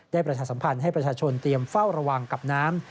ประชาสัมพันธ์ให้ประชาชนเตรียมเฝ้าระวังกับน้ำ